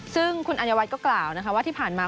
ซึ่งคุณอันยวัดก็กล่าวว่าที่ผ่านมา